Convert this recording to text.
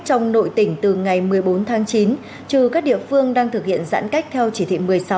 trong nội tỉnh từ ngày một mươi bốn tháng chín trừ các địa phương đang thực hiện giãn cách theo chỉ thị một mươi sáu